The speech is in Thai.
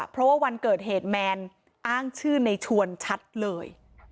เพราะว่าวันเกิดเหตุแมนอ้างชื่อในชวนชัดเลย